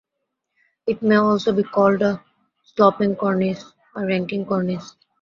It may also be called a "sloping cornice", a "raking cornice".